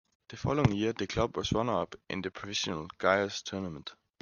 The following year, the club was runner-up in the professional Guayas tournament.